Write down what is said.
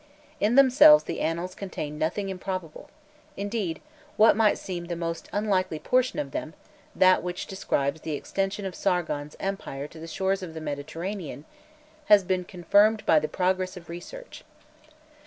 In themselves the annals contain nothing improbable; indeed, what might seem the most unlikely portion of them that which describes the extension of Sargon's empire to the shores of the Mediterranean has been confirmed by the progress of research.